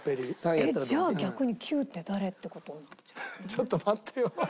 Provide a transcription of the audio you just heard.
ちょっと待ってよ。